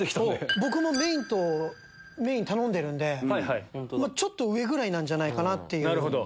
僕もメインとメイン頼んでるんでちょっと上ぐらいじゃないかって。